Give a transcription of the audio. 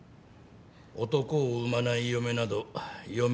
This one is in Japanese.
男を産まない嫁など嫁失格だ。